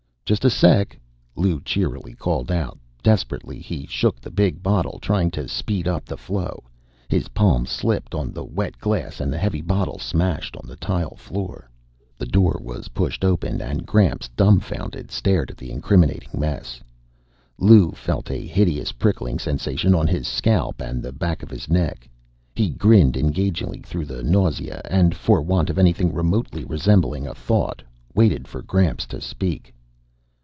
"Just a sec," Lou cheerily called out. Desperately, he shook the big bottle, trying to speed up the flow. His palms slipped on the wet glass, and the heavy bottle smashed on the tile floor. The door was pushed open, and Gramps, dumbfounded, stared at the incriminating mess. Lou felt a hideous prickling sensation on his scalp and the back of his neck. He grinned engagingly through his nausea and, for want of anything remotely resembling a thought, waited for Gramps to speak.